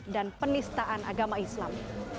dan penistaan agama islam